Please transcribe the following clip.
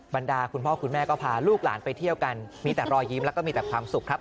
บรรดาคุณพ่อคุณแม่ก็พาลูกหลานไปเที่ยวกันมีแต่รอยยิ้มแล้วก็มีแต่ความสุขครับ